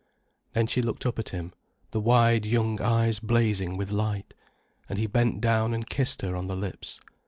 Then she looked up at him, the wide, young eyes blazing with light. And he bent down and kissed her on the lips.